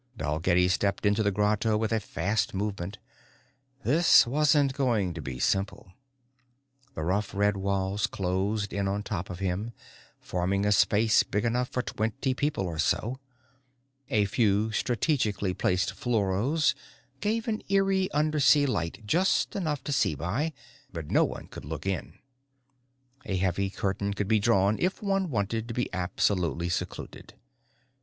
Dalgetty stepped into the grotto with a fast movement. This wasn't going to be simple. The rough red walls closed in on top of him, forming a space big enough for twenty people or so. A few strategically placed fluoros gave an eerie undersea light, just enough to see by but no one could look in. A heavy curtain could be drawn if one wanted to be absolutely secluded.